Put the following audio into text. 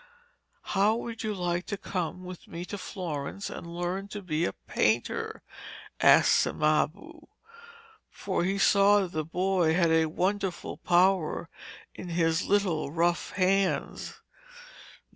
'How would you like to come with me to Florence and learn to be a painter?' asked Cimabue, for he saw that the boy had a wonderful power in his little rough hands.